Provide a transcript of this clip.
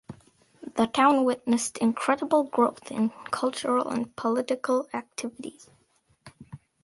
The town witnessed incredible growth in cultural and political activities.